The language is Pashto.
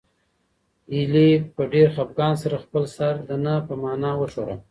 هیلې په ډېر خپګان سره خپل سر د نه په مانا وښوراوه.